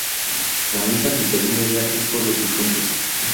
La misa del segundo día es por los difuntos.